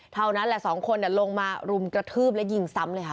เท่านั้นแหละสองคนลงมารุมกระทืบและยิงซ้ำเลยค่ะ